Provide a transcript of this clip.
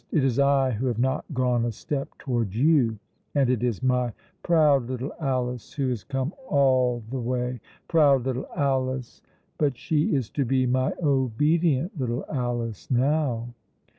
It is I who have not gone a step towards you, and it is my proud little Alice who has come all the way. Proud little Alice! but she is to be my obedient little Alice now."